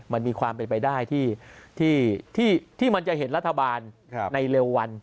มันมีความเป็นไปได้ที่มันจะเห็นรัฐบาลในเร็ววัน